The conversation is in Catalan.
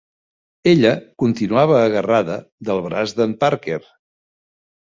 Ella continuava agarrada del braç d'en Parker.